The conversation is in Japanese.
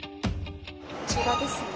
こちらですね。